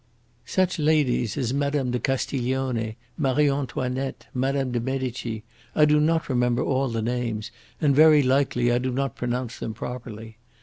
Such ladies as Mme. de Castiglione, Marie Antoinette, Mme. de Medici I do not remember all the names, and very likely I do not pronounce them properly.